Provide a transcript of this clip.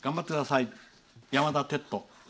山田哲人。